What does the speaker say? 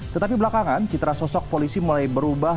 tetapi belakangan citra sosok polisi mulai berubah